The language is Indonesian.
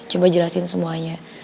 coba jelasin semuanya